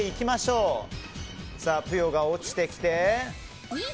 ぷよが落ちてきて。